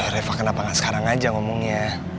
reva kenapa nggak sekarang aja ngomongnya